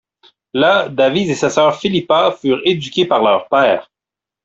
Là, Davies et sa sœur Philippa furent éduqués par leur père.